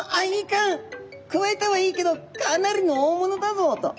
くわえたはいいけどかなりの大物だぞと。